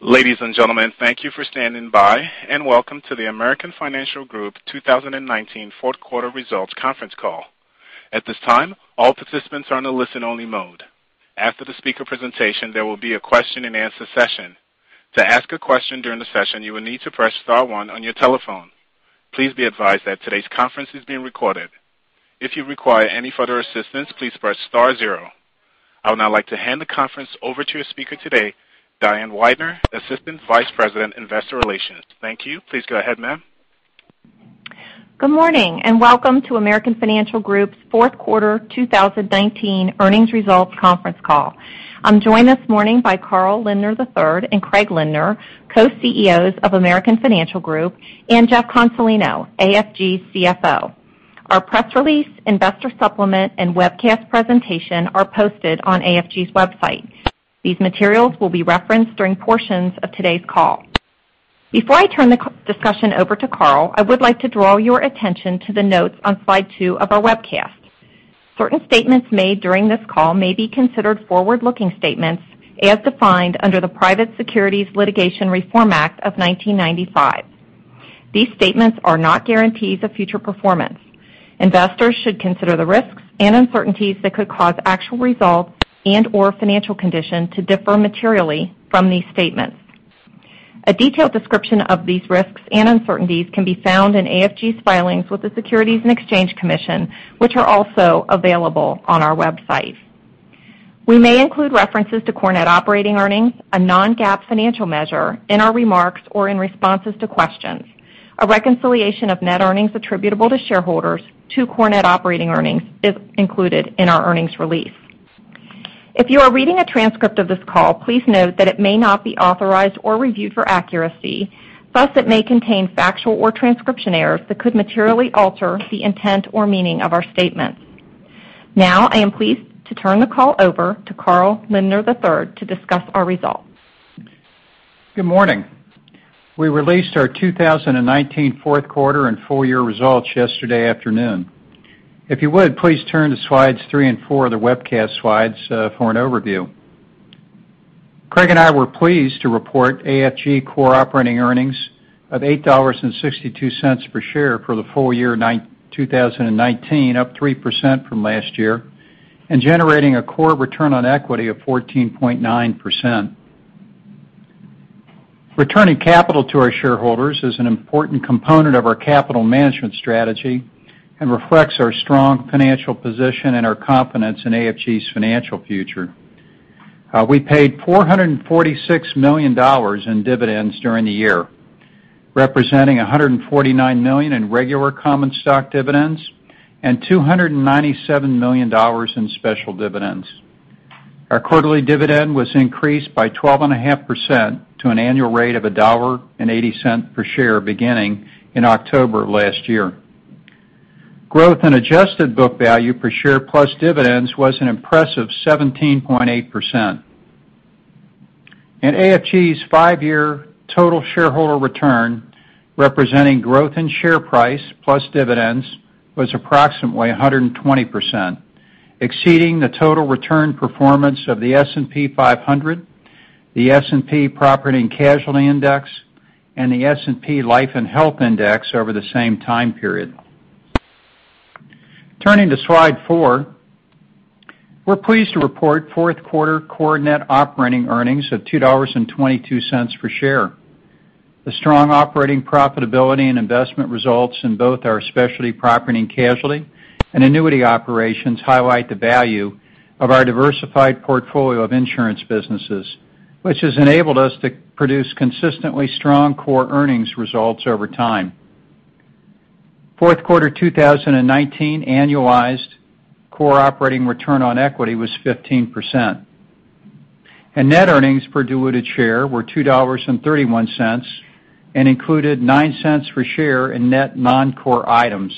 Ladies and gentlemen, thank you for standing by, and welcome to the American Financial Group 2019 fourth quarter results conference call. At this time, all participants are in a listen-only mode. After the speaker presentation, there will be a question and answer session. To ask a question during the session, you will need to press star one on your telephone. Please be advised that today's conference is being recorded. If you require any further assistance, please press star zero. I would now like to hand the conference over to your speaker today, Diane Weidner, Assistant Vice President, Investor Relations. Thank you. Please go ahead, ma'am. Good morning. Welcome to American Financial Group's fourth quarter 2019 earnings results conference call. I'm joined this morning by Carl Lindner III and Craig Lindner, Co-CEOs of American Financial Group, and Jeff Consolino, AFG's CFO. Our press release, investor supplement, and webcast presentation are posted on AFG's website. These materials will be referenced during portions of today's call. Before I turn the discussion over to Carl, I would like to draw your attention to the notes on slide two of our webcast. Certain statements made during this call may be considered forward-looking statements as defined under the Private Securities Litigation Reform Act of 1995. These statements are not guarantees of future performance. Investors should consider the risks and uncertainties that could cause actual results and/or financial conditions to differ materially from these statements. A detailed description of these risks and uncertainties can be found in AFG's filings with the Securities and Exchange Commission, which are also available on our website. We may include references to core net operating earnings, a non-GAAP financial measure, in our remarks or in responses to questions. A reconciliation of net earnings attributable to shareholders to core net operating earnings is included in our earnings release. If you are reading a transcript of this call, please note that it may not be authorized or reviewed for accuracy, thus it may contain factual or transcription errors that could materially alter the intent or meaning of our statements. Now, I am pleased to turn the call over to Carl Lindner III to discuss our results. Good morning. We released our 2019 fourth quarter and full year results yesterday afternoon. If you would, please turn to slides three and four of the webcast slides for an overview. Craig and I were pleased to report AFG core operating earnings of $8.62 per share for the full year 2019, up 3% from last year, and generating a core return on equity of 14.9%. Returning capital to our shareholders is an important component of our capital management strategy and reflects our strong financial position and our confidence in AFG's financial future. We paid $446 million in dividends during the year, representing $149 million in regular common stock dividends and $297 million in special dividends. Our quarterly dividend was increased by 12.5% to an annual rate of $1.80 per share beginning in October of last year. Growth in adjusted book value per share plus dividends was an impressive 17.8%. AFG's 5-year total shareholder return, representing growth in share price plus dividends, was approximately 120%, exceeding the total return performance of the S&P 500, the S&P Property & Casualty Index, and the S&P Life & Health Index over the same time period. Turning to slide four, we are pleased to report fourth quarter core net operating earnings of $2.22 per share. The strong operating profitability and investment results in both our specialty property and casualty and annuity operations highlight the value of our diversified portfolio of insurance businesses, which has enabled us to produce consistently strong core earnings results over time. Fourth quarter 2019 annualized core operating return on equity was 15%. Net earnings per diluted share were $2.31 and included $0.09 per share in net non-core items,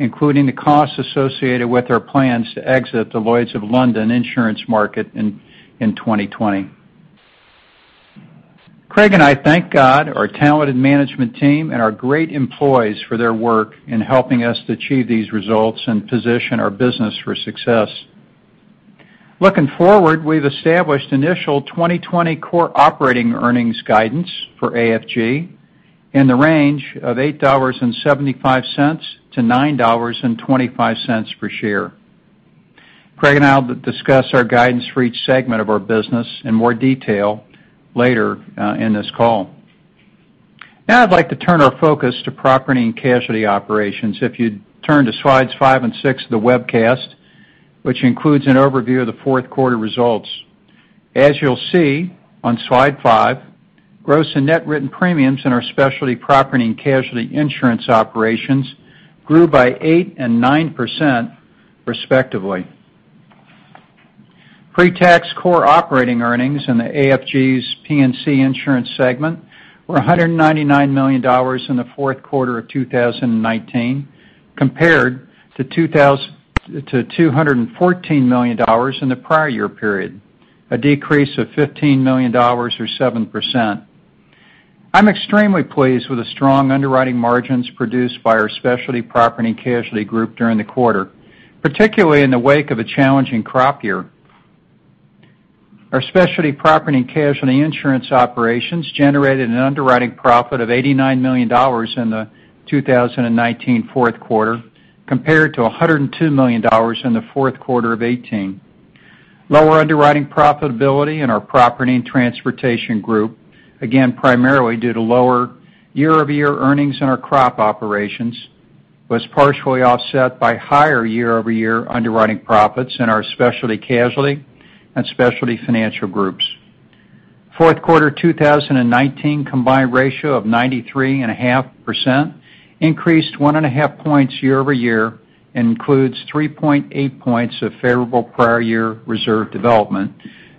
including the costs associated with our plans to exit the Lloyd's of London insurance market in 2020. Craig and I thank God, our talented management team, and our great employees for their work in helping us to achieve these results and position our business for success. Looking forward, we've established initial 2020 core operating earnings guidance for AFG in the range of $8.75-$9.25 per share. Craig and I'll discuss our guidance for each segment of our business in more detail later in this call. Now I'd like to turn our focus to property and casualty operations. If you'd turn to slides five and six of the webcast, which includes an overview of the fourth quarter results. As you'll see on slide five, gross and net written premiums in our specialty property and casualty insurance operations grew by 8% and 9%, respectively. Pre-tax core operating earnings in AFG's P&C Insurance segment were $199 million in the fourth quarter of 2019 compared to $214 million in the prior year period, a decrease of $15 million or 7%. I'm extremely pleased with the strong underwriting margins produced by our Specialty Property and Casualty Group during the quarter, particularly in the wake of a challenging crop year. Our Specialty Property and Casualty insurance operations generated an underwriting profit of $89 million in the 2019 fourth quarter, compared to $102 million in the fourth quarter of 2018. Lower underwriting profitability in our Property and Transportation Group, again, primarily due to lower year-over-year earnings in our crop operations, was partially offset by higher year-over-year underwriting profits in our Specialty Casualty Group and Specialty Financial Group. Fourth quarter 2019 combined ratio of 93.5% increased one and a half points year-over-year and includes 3.8 points of favorable prior year reserve development,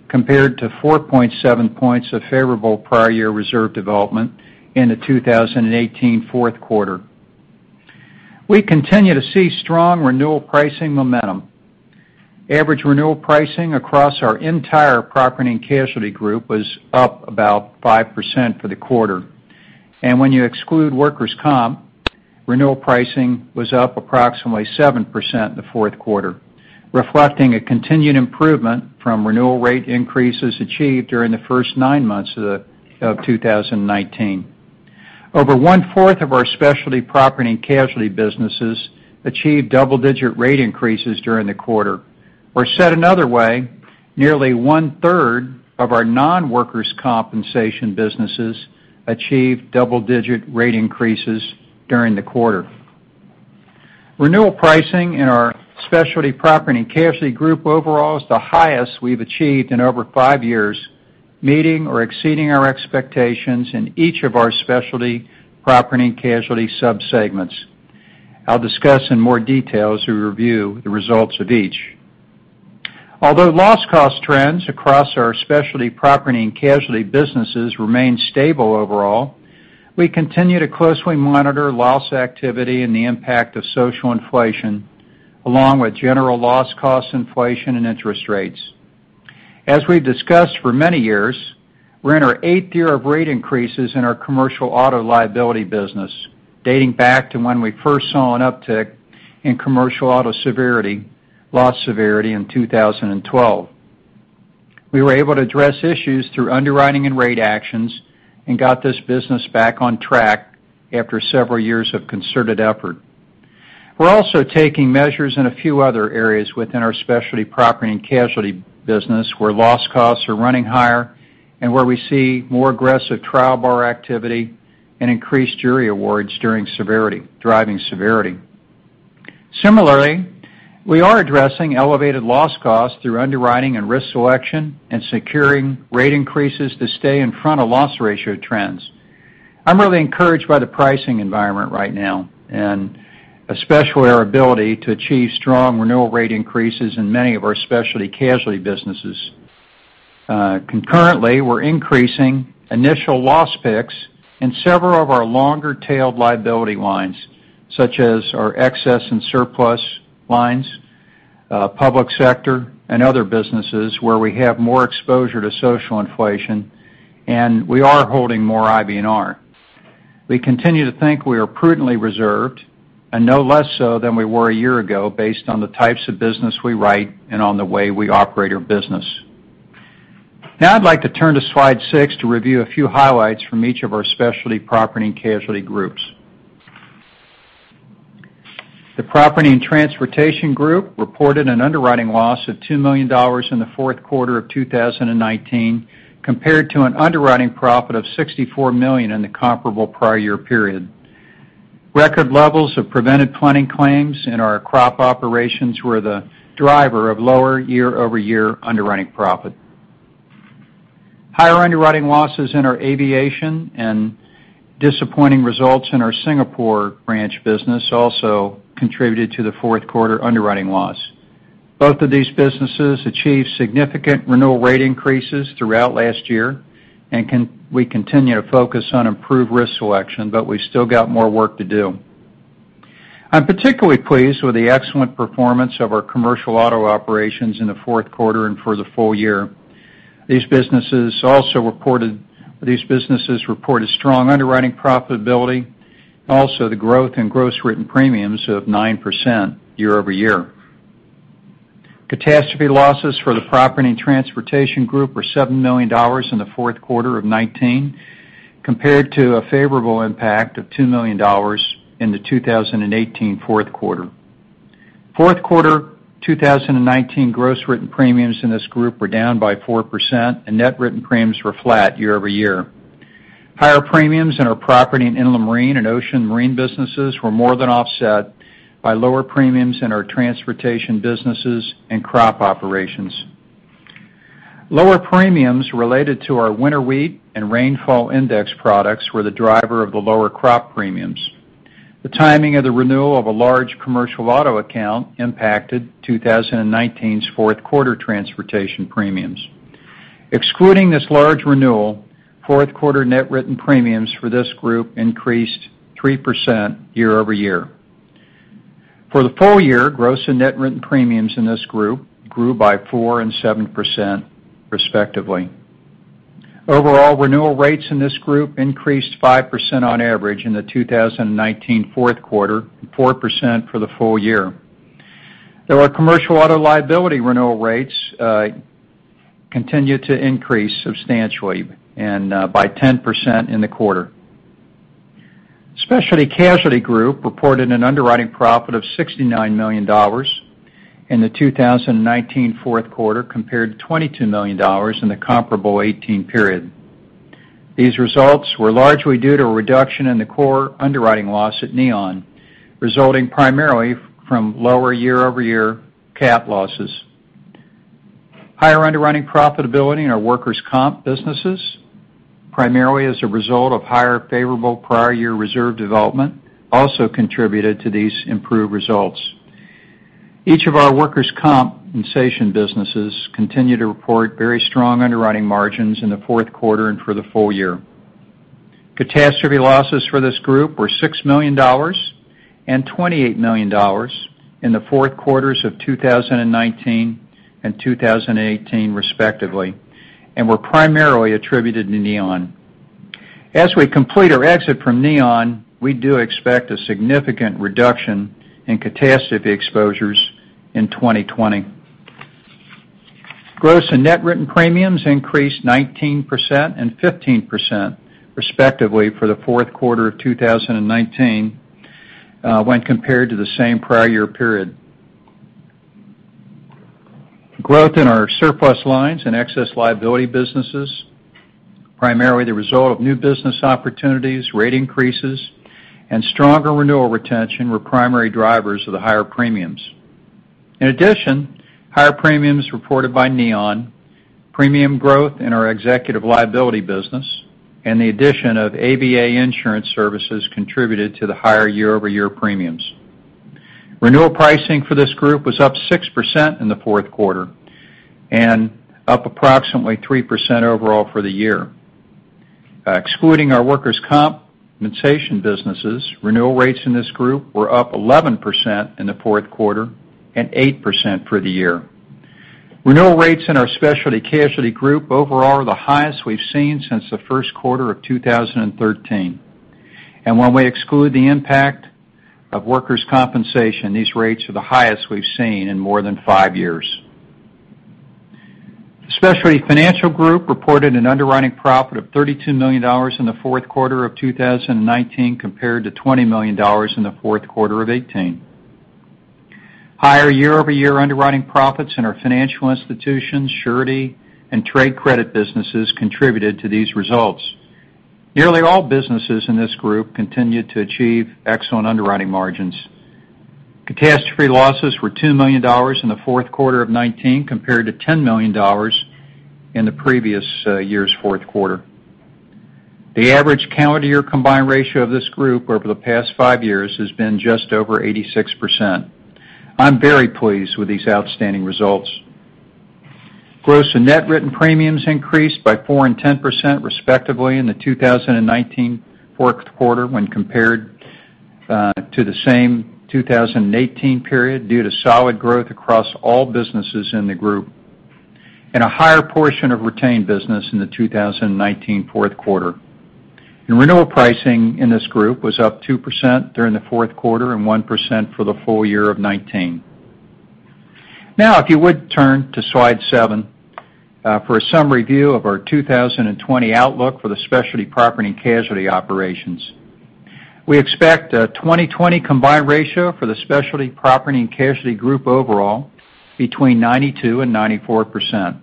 compared to 4.7 points of favorable prior year reserve development in the 2018 fourth quarter. We continue to see strong renewal pricing momentum. Average renewal pricing across our entire Property and Casualty Group was up about 5% for the quarter. When you exclude workers' comp, renewal pricing was up approximately 7% in the fourth quarter, reflecting a continued improvement from renewal rate increases achieved during the first nine months of 2019. Over one-fourth of our Specialty Property and Casualty businesses achieved double-digit rate increases during the quarter. Said another way, nearly one-third of our non-workers' comp businesses achieved double-digit rate increases during the quarter. Renewal pricing in our Specialty Property and Casualty Group overall is the highest we've achieved in over five years, meeting or exceeding our expectations in each of our Specialty Property and Casualty subsegments. I'll discuss in more detail as we review the results of each. Although loss cost trends across our Specialty Property and Casualty businesses remain stable overall, we continue to closely monitor loss activity and the impact of social inflation, along with general loss cost inflation and interest rates. As we've discussed for many years, we're in our eighth year of rate increases in our commercial auto liability business, dating back to when we first saw an uptick in commercial auto loss severity in 2012. We were able to address issues through underwriting and rate actions and got this business back on track after several years of concerted effort. We're also taking measures in a few other areas within our Specialty Property and Casualty business where loss costs are running higher and where we see more aggressive trial bar activity and increased jury awards driving severity. Similarly, we are addressing elevated loss costs through underwriting and risk selection and securing rate increases to stay in front of loss ratio trends. I'm really encouraged by the pricing environment right now, and especially our ability to achieve strong renewal rate increases in many of our Specialty Casualty businesses. Concurrently, we're increasing initial loss picks in several of our longer-tailed liability lines, such as our excess and surplus lines, public sector, and other businesses where we have more exposure to social inflation, and we are holding more IBNR. We continue to think we are prudently reserved and no less so than we were a year ago based on the types of business we write and on the way we operate our business. Now I'd like to turn to slide six to review a few highlights from each of our Specialty Property and Casualty Groups. The Property and Transportation Group reported an underwriting loss of $2 million in the fourth quarter of 2019, compared to an underwriting profit of $64 million in the comparable prior year period. Record levels of prevented planting claims in our crop operations were the driver of lower year-over-year underwriting profit. Higher underwriting losses in our aviation and disappointing results in our Singapore branch business also contributed to the fourth quarter underwriting loss. Both of these businesses achieved significant renewal rate increases throughout last year. We continue to focus on improved risk selection. We still got more work to do. I'm particularly pleased with the excellent performance of our commercial auto operations in the fourth quarter and for the full year. These businesses reported strong underwriting profitability, also the growth in gross written premiums of 9% year-over-year. Catastrophe losses for the Property and Transportation Group were $7 million in the fourth quarter of 2019, compared to a favorable impact of $2 million in the 2018 fourth quarter. Fourth quarter 2019 gross written premiums in this group were down by 4%, and net written premiums were flat year-over-year. Higher premiums in our property and inland marine and ocean marine businesses were more than offset by lower premiums in our transportation businesses and crop operations. Lower premiums related to our winter wheat and rainfall index products were the driver of the lower crop premiums. The timing of the renewal of a large commercial auto account impacted 2019's fourth quarter transportation premiums. Excluding this large renewal, fourth quarter net written premiums for this group increased 3% year-over-year. For the full year, gross and net written premiums in this group grew by 4% and 7%, respectively. Overall renewal rates in this group increased 5% on average in the 2019 fourth quarter, and 4% for the full year. Though our commercial auto liability renewal rates continued to increase substantially, and by 10% in the quarter. Specialty Casualty Group reported an underwriting profit of $69 million in the 2019 fourth quarter, compared to $22 million in the comparable 2018 period. These results were largely due to a reduction in the core underwriting loss at Neon, resulting primarily from lower year-over-year cat losses. Higher underwriting profitability in our workers' comp businesses, primarily as a result of higher favorable prior year reserve development, also contributed to these improved results. Each of our workers' compensation businesses continue to report very strong underwriting margins in the fourth quarter and for the full year. Catastrophe losses for this group were $6 million and $28 million in the fourth quarters of 2019 and 2018, respectively, and were primarily attributed to Neon. As we complete our exit from Neon, we do expect a significant reduction in catastrophe exposures in 2020. Gross and net written premiums increased 19% and 15%, respectively, for the fourth quarter of 2019 when compared to the same prior year period. Growth in our surplus lines and excess liability businesses, primarily the result of new business opportunities, rate increases, and stronger renewal retention, were primary drivers of the higher premiums. In addition, higher premiums reported by Neon, premium growth in our executive liability business, and the addition of ABA Insurance Services contributed to the higher year-over-year premiums. Renewal pricing for this group was up 6% in the fourth quarter and up approximately 3% overall for the year. Excluding our workers' compensation businesses, renewal rates in this group were up 11% in the fourth quarter and 8% for the year. Renewal rates in our Specialty Casualty Group overall are the highest we've seen since the first quarter of 2013. When we exclude the impact of workers' compensation, these rates are the highest we've seen in more than five years. Specialty Financial Group reported an underwriting profit of $32 million in the fourth quarter of 2019, compared to $20 million in the fourth quarter of 2018. Higher year-over-year underwriting profits in our financial institutions, surety, and trade credit businesses contributed to these results. Nearly all businesses in this group continued to achieve excellent underwriting margins. Catastrophe losses were $2 million in the fourth quarter of 2019, compared to $10 million in the previous year's fourth quarter. The average calendar year combined ratio of this group over the past five years has been just over 86%. I'm very pleased with these outstanding results. Gross and net written premiums increased by 4% and 10% respectively in the 2019 fourth quarter when compared to the same 2018 period due to solid growth across all businesses in the group and a higher portion of retained business in the 2019 fourth quarter. Renewal pricing in this group was up 2% during the fourth quarter and 1% for the full year of 2019. If you would turn to slide seven for a summary view of our 2020 outlook for the Specialty Property & Casualty operations. We expect a 2020 combined ratio for the Specialty Property & Casualty Group overall between 92%-94%.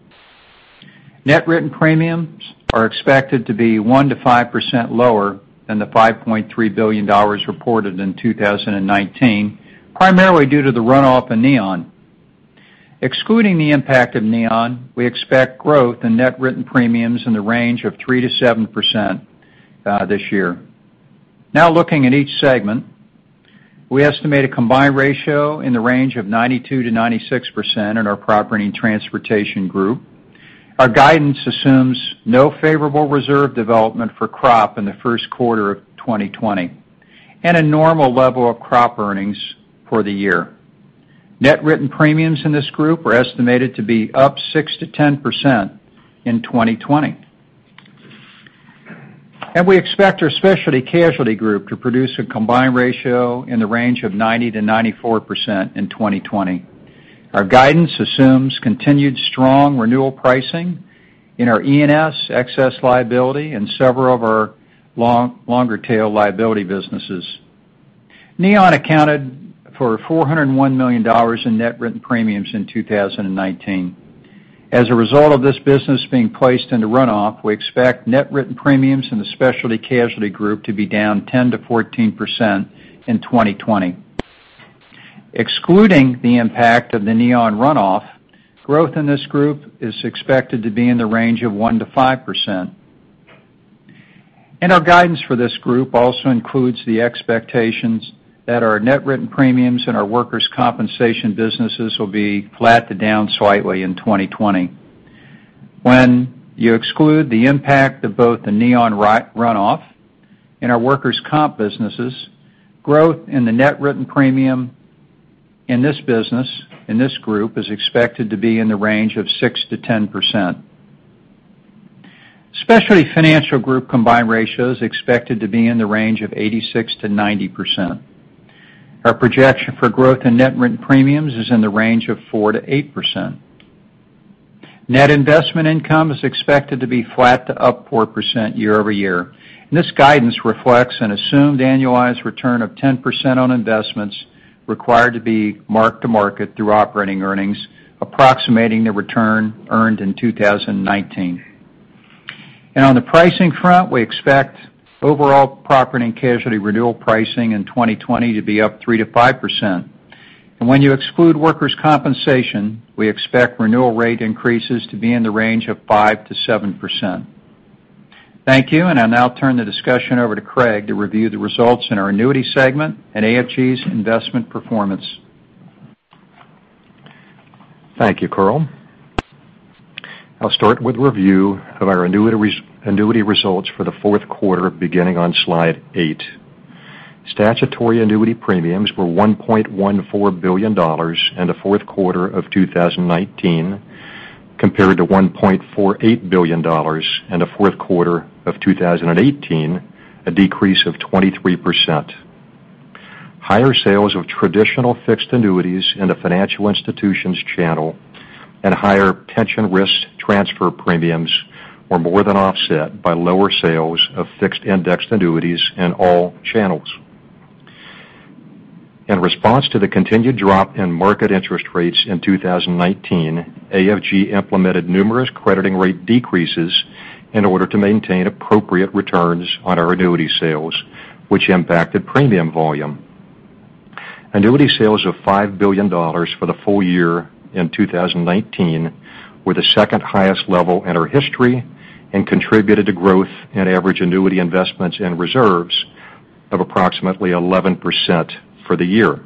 Net written premiums are expected to be 1%-5% lower than the $5.3 billion reported in 2019, primarily due to the runoff in Neon. Excluding the impact of Neon, we expect growth in net written premiums in the range of 3%-7% this year. Looking at each segment. We estimate a combined ratio in the range of 92%-96% in our Property & Transportation Group. Our guidance assumes no favorable reserve development for crop in the first quarter of 2020, and a normal level of crop earnings for the year. Net written premiums in this group are estimated to be up 6%-10% in 2020. We expect our Specialty Casualty Group to produce a combined ratio in the range of 90%-94% in 2020. Our guidance assumes continued strong renewal pricing in our E&S, excess liability, and several of our longer tail liability businesses. Neon accounted for $401 million in net written premiums in 2019. As a result of this business being placed into runoff, we expect net written premiums in the Specialty Casualty Group to be down 10%-14% in 2020. Excluding the impact of the Neon runoff, growth in this group is expected to be in the range of 1%-5%. Our guidance for this group also includes the expectations that our net written premiums in our workers' compensation businesses will be flat to down slightly in 2020. When you exclude the impact of both the Neon runoff and our workers' comp businesses, growth in the net written premium in this business, in this group, is expected to be in the range of 6%-10%. Specialty Financial Group combined ratio is expected to be in the range of 86%-90%. Our projection for growth in net written premiums is in the range of 4%-8%. Net investment income is expected to be flat to up 4% year-over-year. This guidance reflects an assumed annualized return of 10% on investments required to be marked to market through operating earnings, approximating the return earned in 2019. On the pricing front, we expect overall Property and Casualty renewal pricing in 2020 to be up 3%-5%. When you exclude workers' compensation, we expect renewal rate increases to be in the range of 5%-7%. Thank you. I'll now turn the discussion over to Craig to review the results in our annuity segment and AFG's investment performance. Thank you, Carl. I'll start with a review of our annuity results for the fourth quarter beginning on slide eight. Statutory annuity premiums were $1.14 billion in the fourth quarter of 2019, compared to $1.48 billion in the fourth quarter of 2018, a decrease of 23%. Higher sales of traditional fixed annuities in the financial institutions channel and higher pension risk transfer premiums were more than offset by lower sales of fixed-indexed annuities in all channels. In response to the continued drop in market interest rates in 2019, AFG implemented numerous crediting rate decreases in order to maintain appropriate returns on our annuity sales, which impacted premium volume. Annuity sales of $5 billion for the full year in 2019 were the second highest level in our history and contributed to growth in average annuity investments in reserves of approximately 11% for the year.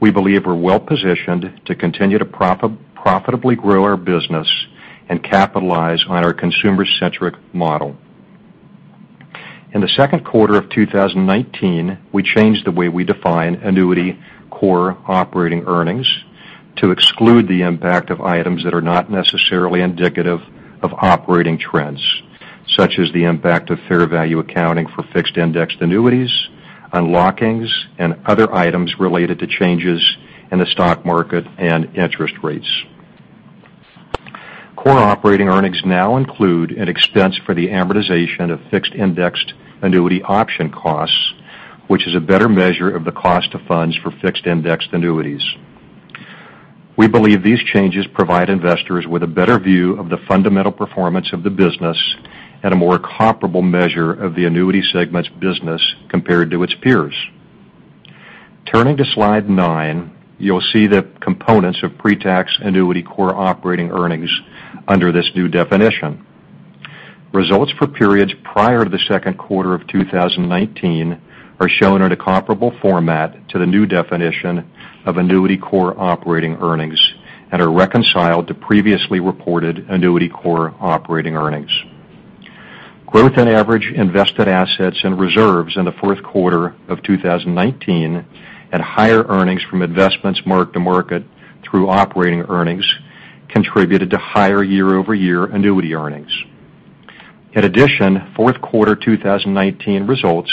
We believe we're well-positioned to continue to profitably grow our business and capitalize on our consumer-centric model. In the second quarter of 2019, we changed the way we define annuity core operating earnings to exclude the impact of items that are not necessarily indicative of operating trends, such as the impact of fair value accounting for fixed-indexed annuities, unlockings, and other items related to changes in the stock market and interest rates. Core operating earnings now include an expense for the amortization of fixed-indexed annuity option costs, which is a better measure of the cost of funds for fixed-indexed annuities. We believe these changes provide investors with a better view of the fundamental performance of the business and a more comparable measure of the annuity segment's business compared to its peers. Turning to slide nine, you'll see the components of pre-tax annuity core operating earnings under this new definition. Results for periods prior to the second quarter of 2019 are shown at a comparable format to the new definition of annuity core operating earnings and are reconciled to previously reported annuity core operating earnings. Growth in average invested assets and reserves in the fourth quarter of 2019 had higher earnings from investments marked to market through operating earnings contributed to higher year-over-year annuity earnings. In addition, fourth quarter 2019 results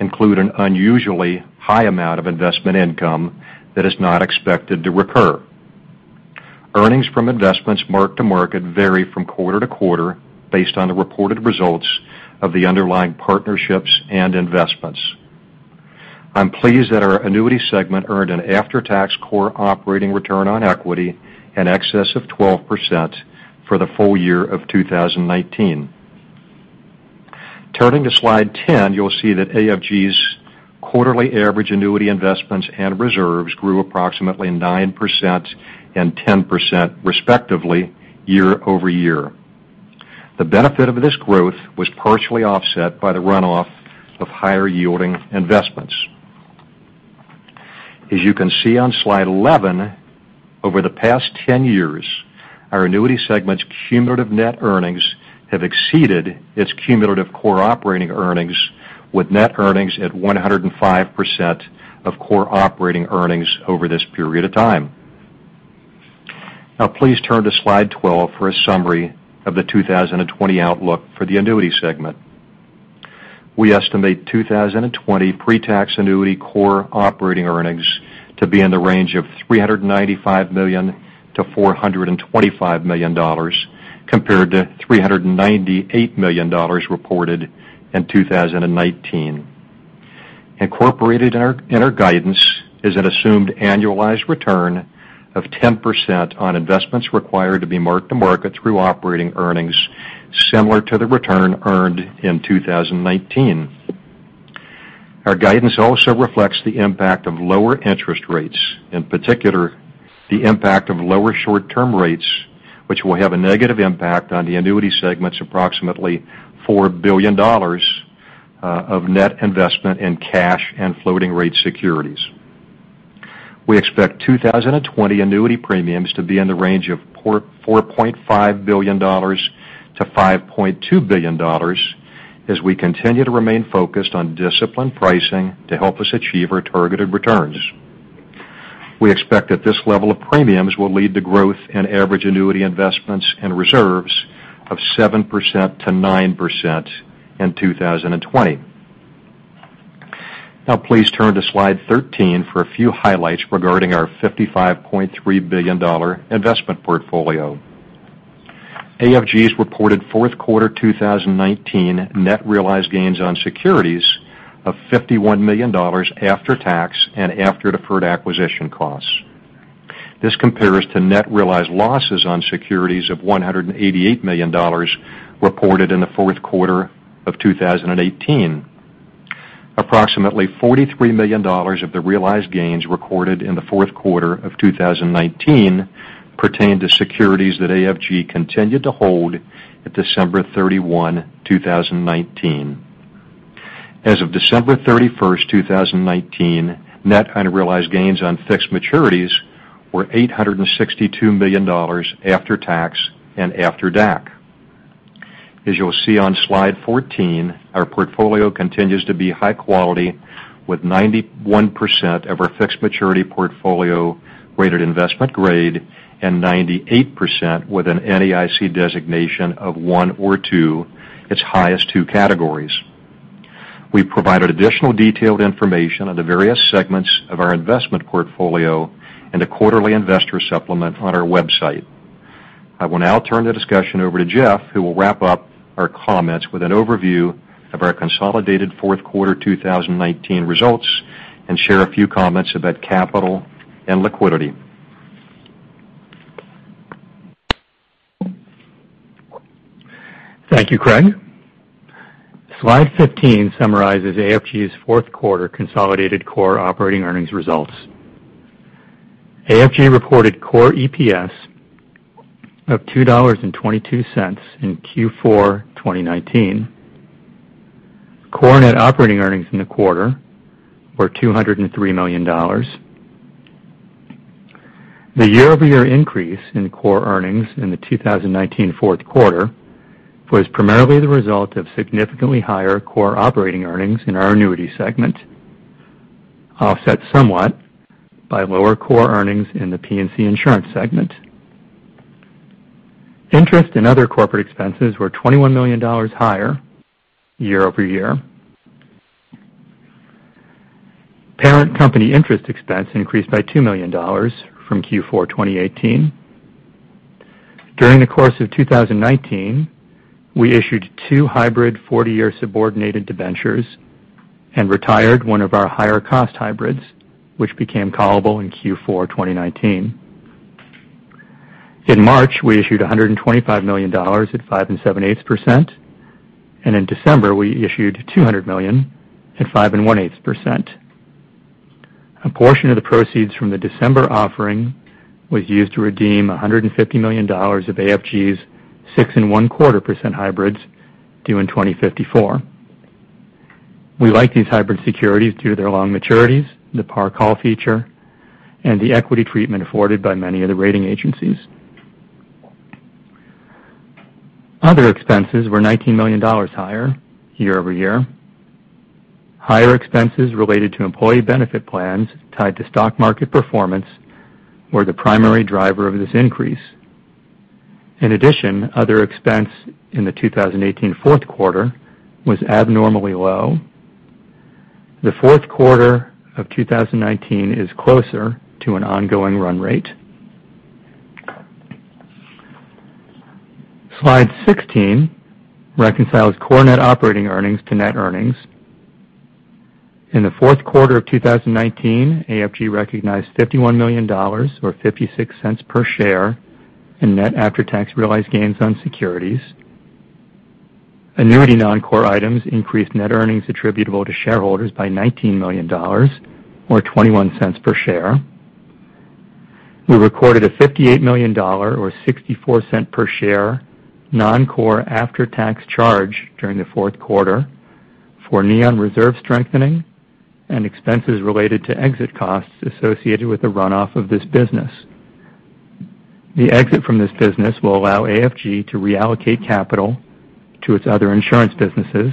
include an unusually high amount of investment income that is not expected to recur. Earnings from investments marked to market vary from quarter to quarter based on the reported results of the underlying partnerships and investments. I'm pleased that our annuity segment earned an after-tax core operating return on equity in excess of 12% for the full year of 2019. Turning to slide 10, you'll see that AFG's quarterly average annuity investments and reserves grew approximately 9% and 10% respectively year-over-year. The benefit of this growth was partially offset by the runoff of higher-yielding investments. As you can see on slide 11, over the past 10 years, our annuity segment's cumulative net earnings have exceeded its cumulative core operating earnings, with net earnings at 105% of core operating earnings over this period of time. Now please turn to slide 12 for a summary of the 2020 outlook for the annuity segment. We estimate 2020 pre-tax annuity core operating earnings to be in the range of $395 million-$425 million, compared to $398 million reported in 2019. Incorporated in our guidance is an assumed annualized return of 10% on investments required to be marked to market through operating earnings, similar to the return earned in 2019. Our guidance also reflects the impact of lower interest rates, in particular, the impact of lower short-term rates, which will have a negative impact on the annuity segment's approximately $4 billion of net investment in cash and floating rate securities. We expect 2020 annuity premiums to be in the range of $4.5 billion to $5.2 billion as we continue to remain focused on disciplined pricing to help us achieve our targeted returns. We expect that this level of premiums will lead to growth in average annuity investments in reserves of 7% to 9% in 2020. Please turn to Slide 13 for a few highlights regarding our $55.3 billion investment portfolio. AFG's reported fourth quarter 2019 net realized gains on securities of $51 million after tax and after deferred acquisition costs. This compares to net realized losses on securities of $188 million reported in the fourth quarter of 2018. Approximately $43 million of the realized gains recorded in the fourth quarter of 2019 pertained to securities that AFG continued to hold at December 31, 2019. As of December 31, 2019, net unrealized gains on fixed maturities were $862 million after tax and after DAC. As you'll see on Slide 14, our portfolio continues to be high quality with 91% of our fixed maturity portfolio rated investment grade and 98% with an NAIC designation of 1 or 2, its highest two categories. We've provided additional detailed information on the various segments of our investment portfolio in the quarterly investor supplement on our website. I will now turn the discussion over to Jeff, who will wrap up our comments with an overview of our consolidated fourth quarter 2019 results and share a few comments about capital and liquidity. Thank you, Craig. Slide 15 summarizes AFG's fourth quarter consolidated core operating earnings results. AFG reported core EPS of $2.22 in Q4 2019. Core net operating earnings in the quarter were $203 million. The year-over-year increase in core earnings in the 2019 fourth quarter was primarily the result of significantly higher core operating earnings in our annuity segment, offset somewhat by lower core earnings in the P&C Insurance segment. Interest and other corporate expenses were $21 million higher year-over-year. Parent company interest expense increased by $2 million from Q4 2018. During the course of 2019, we issued two hybrid 40-year subordinated debentures and retired one of our higher-cost hybrids, which became callable in Q4 2019. In March, we issued $125 million at 5.78%, and in December, we issued $200 million at 5.18%. A portion of the proceeds from the December offering was used to redeem $150 million of AFG's 6.125% hybrids due in 2054. We like these hybrid securities due to their long maturities, the par call feature, and the equity treatment afforded by many of the rating agencies. Other expenses were $19 million higher year-over-year. Higher expenses related to employee benefit plans tied to stock market performance were the primary driver of this increase. In addition, other expense in the 2018 fourth quarter was abnormally low. The fourth quarter of 2019 is closer to an ongoing run rate. Slide 16 reconciles core net operating earnings to net earnings. In the fourth quarter of 2019, AFG recognized $51 million, or $0.56 per share in net after-tax realized gains on securities. Annuity non-core items increased net earnings attributable to shareholders by $19 million, or $0.21 per share. We recorded a $58 million, or $0.64 per share, non-core after-tax charge during the fourth quarter for Neon reserve strengthening and expenses related to exit costs associated with the runoff of this business. The exit from this business will allow AFG to reallocate capital to its other insurance businesses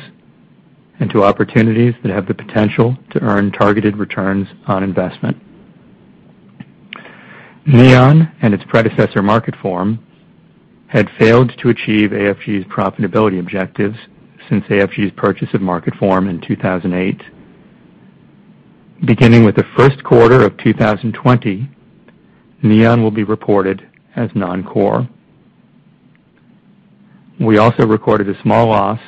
and to opportunities that have the potential to earn targeted returns on investment. Neon and its predecessor, Marketform, had failed to achieve AFG's profitability objectives since AFG's purchase of Marketform in 2008. Beginning with the first quarter of 2020, Neon will be reported as non-core. We also recorded a small loss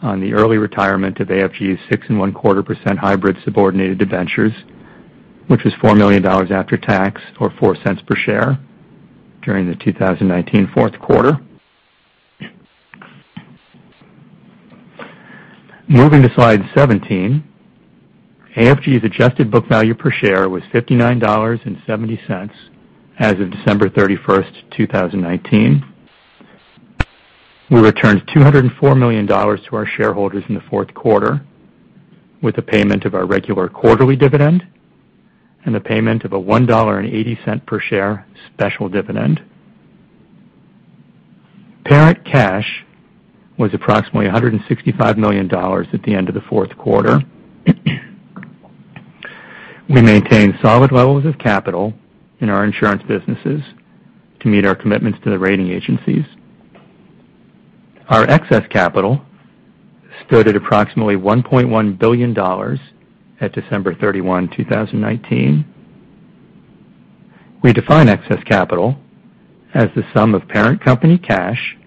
on the early retirement of AFG's 6.125% hybrid subordinated debentures, which was $4 million after tax or $0.04 per share during the 2019 fourth quarter. Moving to slide 17, AFG's adjusted book value per share was $59.70 as of December 31st, 2019. We returned $204 million to our shareholders in the fourth quarter with the payment of our regular quarterly dividend and the payment of a $1.80 per share special dividend. Parent cash was approximately $165 million at the end of the fourth quarter. We maintained solid levels of capital in our insurance businesses to meet our commitments to the rating agencies. Our excess capital stood at approximately $1.1 billion at December 31, 2019. We define excess capital as the sum of parent company cash,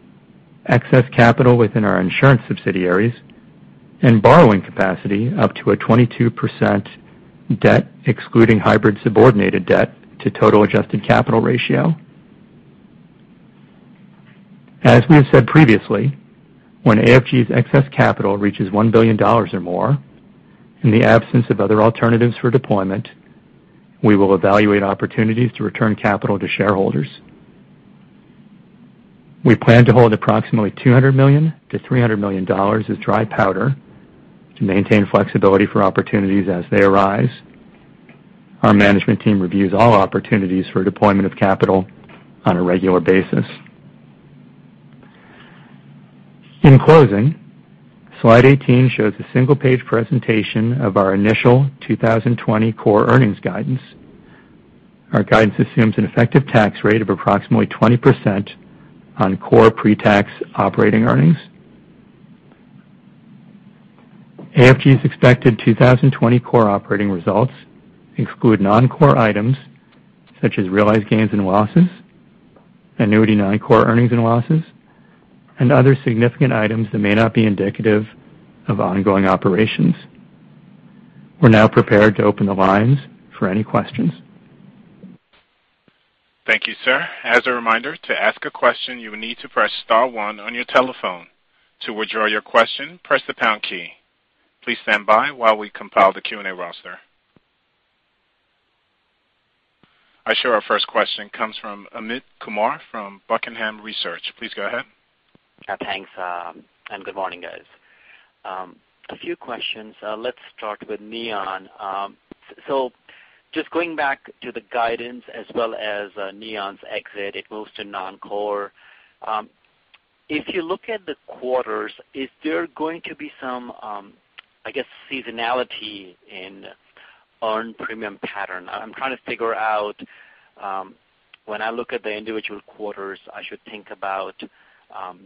excess capital within our insurance subsidiaries, and borrowing capacity up to a 22% debt, excluding hybrid subordinated debt, to total adjusted capital ratio. As we have said previously, when AFG's excess capital reaches $1 billion or more, in the absence of other alternatives for deployment, we will evaluate opportunities to return capital to shareholders. We plan to hold approximately $200 million-$300 million as dry powder to maintain flexibility for opportunities as they arise. Our management team reviews all opportunities for deployment of capital on a regular basis. In closing, slide 18 shows a single-page presentation of our initial 2020 core earnings guidance. Our guidance assumes an effective tax rate of approximately 20% on core pre-tax operating earnings. AFG's expected 2020 core operating results exclude non-core items such as realized gains and losses, annuity non-core earnings and losses, and other significant items that may not be indicative of ongoing operations. We're now prepared to open the lines for any questions. Thank you, sir. As a reminder, to ask a question, you will need to press *1 on your telephone. To withdraw your question, press the # key. Please stand by while we compile the Q&A roster. I show our first question comes from Amit Kumar from Buckingham Research. Please go ahead. Thanks. Good morning, guys. A few questions. Let's start with Neon. Just going back to the guidance as well as Neon's exit, it moves to non-core. If you look at the quarters, is there going to be some seasonality in earned premium pattern? I'm trying to figure out when I look at the individual quarters, I should think about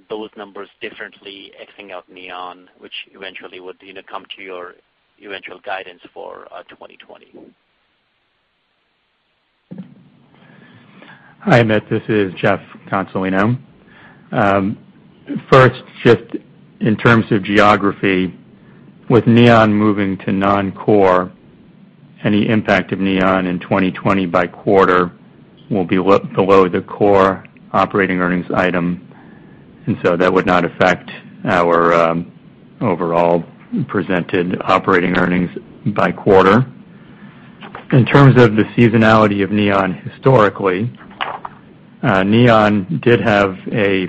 those numbers differently, X-ing out Neon, which eventually would come to your eventual guidance for 2020. Hi, Amit. This is Jeff Consolino. First, just in terms of geography, with Neon moving to non-core, any impact of Neon in 2020 by quarter will be below the core operating earnings item, that would not affect our overall presented operating earnings by quarter. In terms of the seasonality of Neon historically, Neon did have a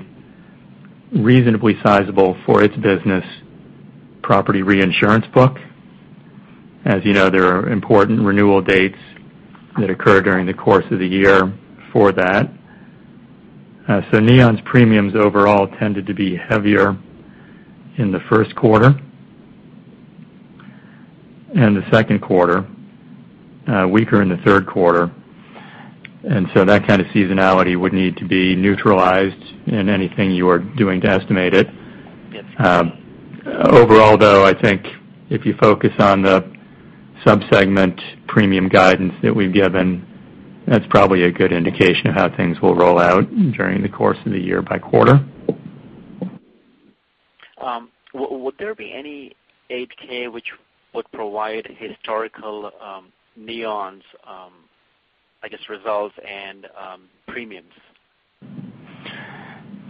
reasonably sizable, for its business, property reinsurance book. As you know, there are important renewal dates that occur during the course of the year for that. Neon's premiums overall tended to be heavier in the first quarter and the second quarter, weaker in the third quarter, that kind of seasonality would need to be neutralized in anything you are doing to estimate it. Yes. Overall, though, I think if you focus on the sub-segment premium guidance that we've given, that's probably a good indication of how things will roll out during the course of the year by quarter. Would there be any 8-K which would provide historical Neon's results and premiums?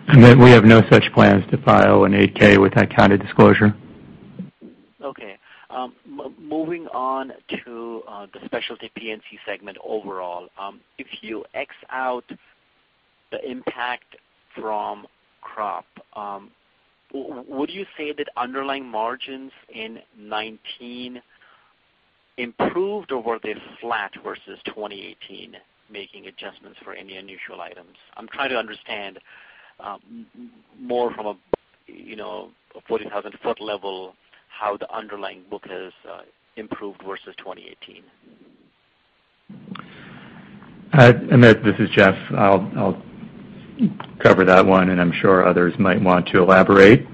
Amit, we have no such plans to file an 8-K with that kind of disclosure. Moving on to the Specialty P&C Segment overall. If you X out the impact from crop, would you say that underlying margins in 2019 improved or were they flat versus 2018, making adjustments for any unusual items? I'm trying to understand more from a 40,000-foot level how the underlying book has improved versus 2018. Amit, this is Jeff. I'll cover that one, and I'm sure others might want to elaborate.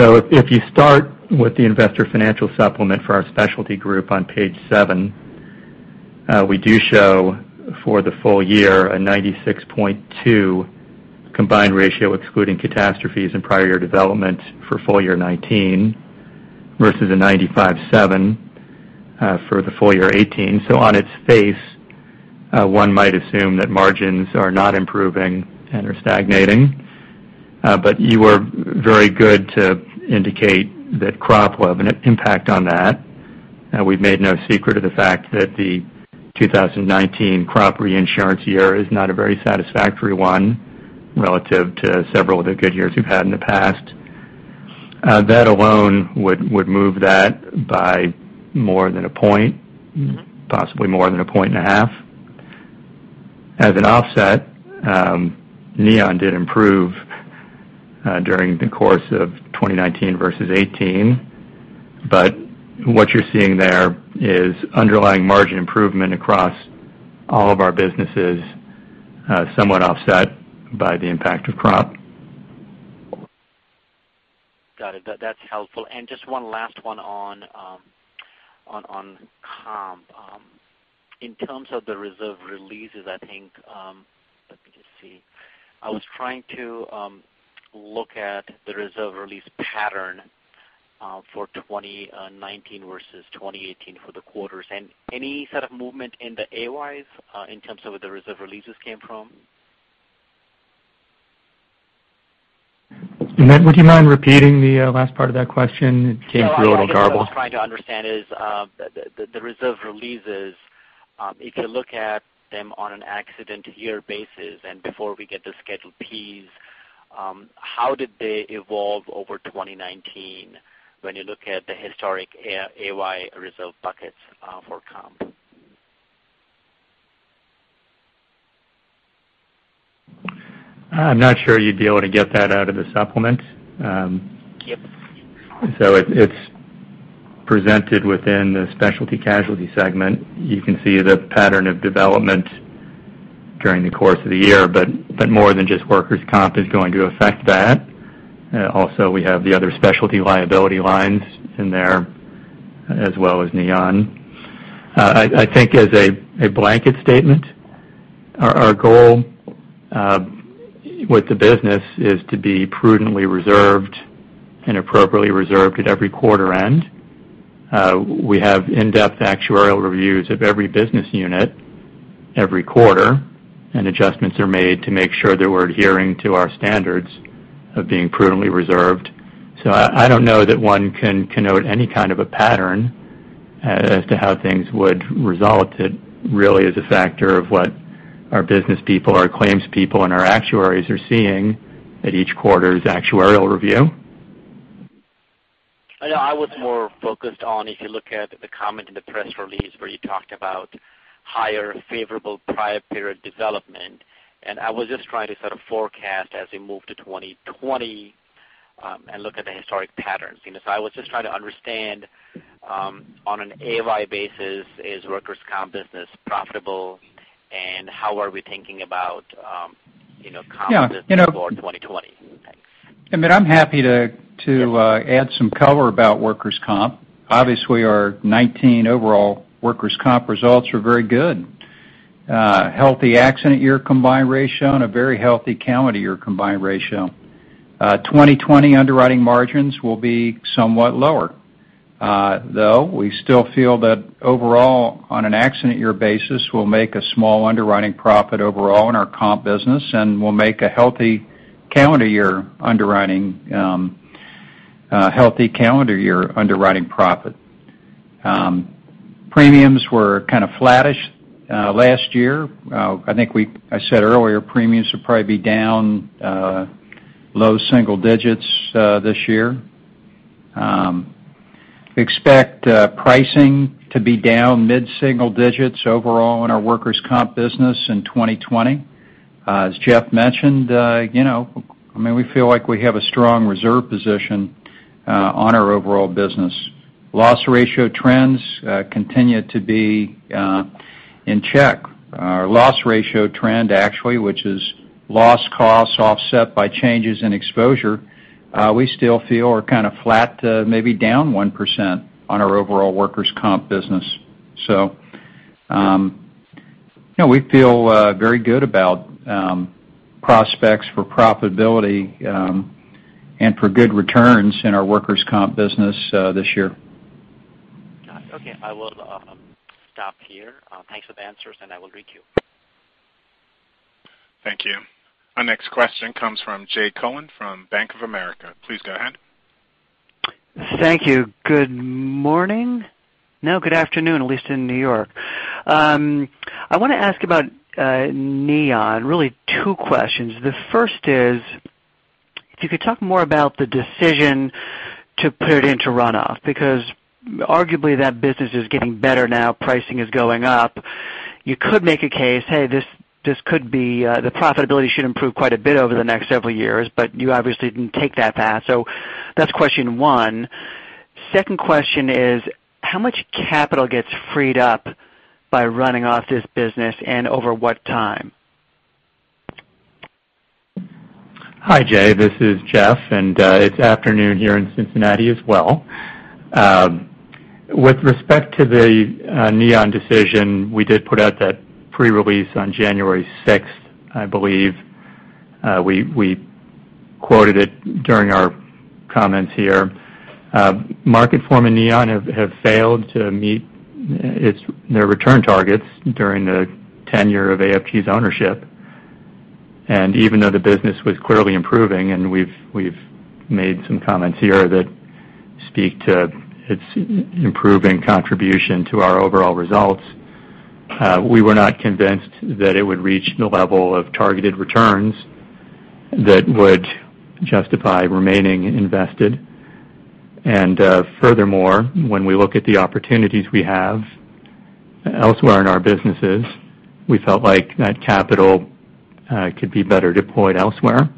If you start with the investor financial supplement for our Specialty Group on page seven, we do show for the full year a 96.2 combined ratio, excluding catastrophes and prior year development for full year 2019 versus a 95.7 for the full year 2018. On its face, one might assume that margins are not improving and are stagnating. You were very good to indicate that crop will have an impact on that. We've made no secret of the fact that the 2019 crop reinsurance year is not a very satisfactory one relative to several of the good years we've had in the past. That alone would move that by more than a point, possibly more than a point and a half. As an offset, Neon did improve during the course of 2019 versus 2018, what you're seeing there is underlying margin improvement across all of our businesses, somewhat offset by the impact of crop. Got it. That's helpful. Just one last one on comp. In terms of the reserve releases, I was trying to look at the reserve release pattern for 2019 versus 2018 for the quarters. Any sort of movement in the AYs in terms of where the reserve releases came from? Amit, would you mind repeating the last part of that question? It came through a little garbled. I guess what I was trying to understand is the reserve releases, if you look at them on an accident year basis, and before we get to Schedule P, how did they evolve over 2019 when you look at the historic AY reserve buckets for comp? I'm not sure you'd be able to get that out of the supplement. Yep. It's presented within the Specialty Casualty Group. You can see the pattern of development during the course of the year, but more than just workers' comp is going to affect that. Also, we have the other specialty liability lines in there as well as Neon. I think as a blanket statement, our goal with the business is to be prudently reserved and appropriately reserved at every quarter-end. We have in-depth actuarial reviews of every business unit every quarter, and adjustments are made to make sure that we're adhering to our standards of being prudently reserved. I don't know that one can connote any kind of a pattern as to how things would result. It really is a factor of what our business people, our claims people, and our actuaries are seeing at each quarter's actuarial review. I was more focused on if you look at the comment in the press release where you talked about higher favorable prior period development, and I was just trying to sort of forecast as we move to 2020 and look at the historic patterns. I was just trying to understand on an AY basis, is workers' comp business profitable, and how are we thinking about comp business for 2020? Thanks. Amit, I'm happy to add some color about workers' comp. Obviously, our 2019 overall workers' comp results were very good. A healthy accident year combined ratio and a very healthy calendar year combined ratio. 2020 underwriting margins will be somewhat lower, though we still feel that overall, on an accident year basis, we'll make a small underwriting profit overall in our comp business, and we'll make a healthy calendar year underwriting profit. Premiums were kind of flattish last year. I think I said earlier, premiums will probably be down low single digits this year. Expect pricing to be down mid-single digits overall in our workers' comp business in 2020. As Jeff mentioned, we feel like we have a strong reserve position on our overall business. Loss ratio trends continue to be in check. Our loss ratio trend actually, which is loss costs offset by changes in exposure, we still feel are kind of flat to maybe down 1% on our overall workers' comp business. We feel very good about prospects for profitability and for good returns in our workers' comp business this year. Got it. Okay, I will stop here. Thanks for the answers, I will queue. Thank you. Our next question comes from Jay Cohen from Bank of America. Please go ahead. Thank you. Good morning. No, good afternoon, at least in New York. I want to ask about Neon. Really two questions. The first is if you could talk more about the decision to put it into runoff, because arguably that business is getting better now, pricing is going up. You could make a case, hey, the profitability should improve quite a bit over the next several years, but you obviously didn't take that path. That's question one. Second question is how much capital gets freed up by running off this business and over what time? Hi, Jay. This is Jeff, and it's afternoon here in Cincinnati as well. With respect to the Neon decision, we did put out that pre-release on January 6th, I believe. We quoted it during our comments here. Marketform and Neon have failed to meet their return targets during the tenure of AFG's ownership. Even though the business was clearly improving, and we've made some comments here that speak to its improving contribution to our overall results, we were not convinced that it would reach the level of targeted returns that would justify remaining invested. Furthermore, when we look at the opportunities we have elsewhere in our businesses, we felt like that capital could be better deployed elsewhere.